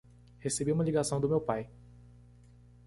Recebi uma ligação do meu pai